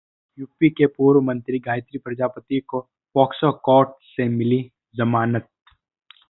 UP के पूर्व मंत्री गायत्री प्रजापति को पॉक्सो कोर्ट से मिली जमानत